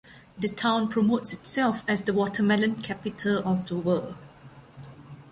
The town promotes itself as the Watermelon Capital of the World.